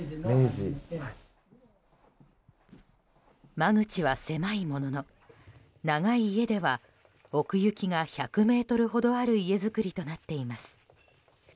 間口は狭いものの長い家では奥行きが１００ｍほどある家造りとなっています。